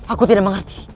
aku tidak mengerti